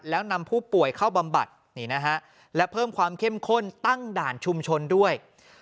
แล้วนำผู้ป่วยเข้าบำบัดและเพิ่มความเข้มข้นตั้งด่านชุมชนด้วย